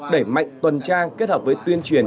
để mạnh tuần trang kết hợp với tuyên truyền